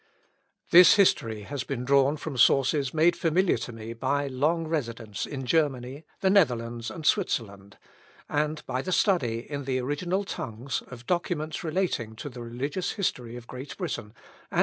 This history has been drawn from sources made familiar to me by long residence in Germany, the Netherlands, and Switzerland, and by the study, in the original tongues, of documents relating to the religious history of Great Britain, and some other countries besides.